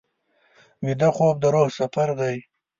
ویده خوب د روح سفر دی